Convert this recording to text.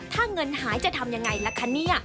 ถ้าเงินหายจะทำยังไงล่ะคะเนี่ย